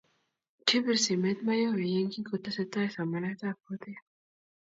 kibir simet Mayowe yeki ngotesetai somanetab kutit